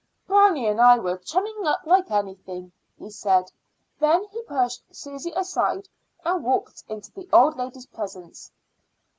"Brownie and I were chumming up like anything," he said; then he pushed Susy aside and walked into the old lady's presence.